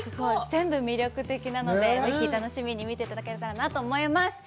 全部魅力的なので、ぜひ楽しみに見ていただければと思います。